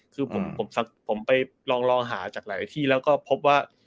คือผมไปลองหาจากหลายที่แล้วก็พบว่า